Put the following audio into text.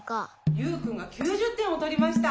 ユウくんが９０てんをとりました。